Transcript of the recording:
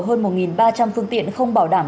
hơn một ba trăm linh phương tiện không bảo đảm